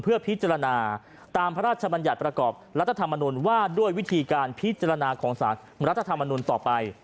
เพื่อพิจารณาตามพระราชบัญญัติประกอบรัฐธรรมนุนว่าด้วยวิธีการพิจารณาของสารรัฐธรรมนุนต่อไป